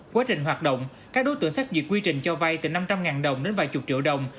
quá trình hoạt động các đối tượng xác duyệt quy trình cho vay từ năm trăm linh đồng đến vài chục triệu đồng